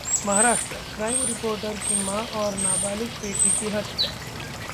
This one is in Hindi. महाराष्ट्र: क्राइम रिपोर्टर की मां और नाबालिग बेटी की हत्या